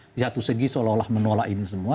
di satu segi seolah olah menolak ini semua